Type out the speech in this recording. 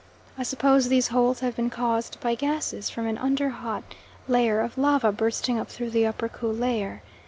I suppose these holes have been caused by gases from an under hot layer of lava bursting up through the upper cool layer.